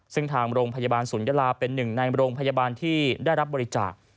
ซึ่งทางโรงพยาบาลศูนยาลาเป็นหนึ่งในโรงพยาบาลที่ได้รับบริจาค